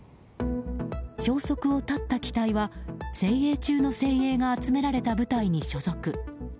消息を絶った機体は精鋭中の精鋭が集められた部隊に所属。